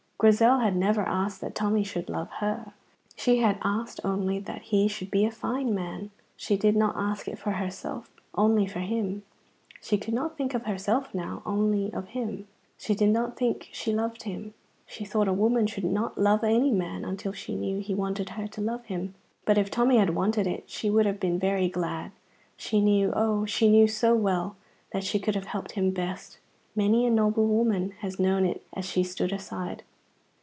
Grizel had never asked that Tommy should love her; she had asked only that he should be a fine man. She did not ask it for herself, only for him. She could not think of herself now, only of him. She did not think she loved him. She thought a woman should not love any man until she knew he wanted her to love him. But if Tommy had wanted it she would have been very glad. She knew, oh, she knew so well, that she could have helped him best. Many a noble woman has known it as she stood aside.